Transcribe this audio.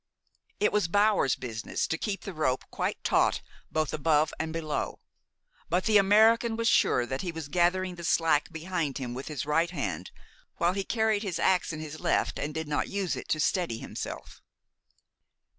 It was Bower's business to keep the rope quite taut both above and below; but the American was sure that he was gathering the slack behind him with his right hand while he carried the ax in his left, and did not use it to steady himself.